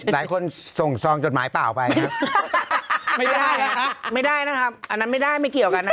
ส่งซองจดหมายเปล่าไปครับไม่ได้นะคะไม่ได้นะครับอันนั้นไม่ได้ไม่เกี่ยวกันนะครับ